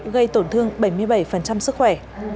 gây tổn thương bảy mươi bảy sức khỏe